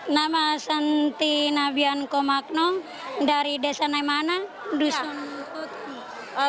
nama santi nabian komakno dari desa naimana dusun putih